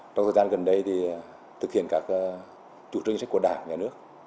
trong thời gian gần đây thực hiện các chủ trương chính sách của đảng nhà nước